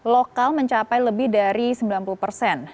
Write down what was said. lokal mencapai lebih dari sembilan puluh persen